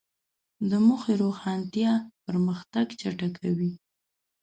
د موخې روښانتیا پرمختګ چټکوي.